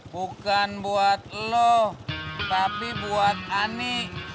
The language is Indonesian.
bukan buat lo tapi buat ani